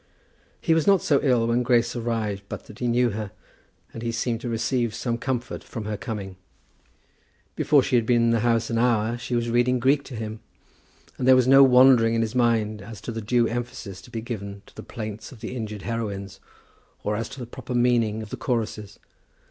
He was not so ill when Grace arrived but that he knew her, and he seemed to receive some comfort from her coming. Before she had been in the house an hour she was reading Greek to him, and there was no wandering in his mind as to the due emphasis to be given to the plaints of the injured heroines, or as to the proper meaning of the choruses.